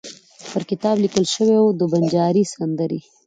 پر کتاب لیکل شوي وو: د بنجاري سندرې.